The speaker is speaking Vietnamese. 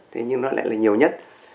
thế nhưng nó lại là nhiều nhất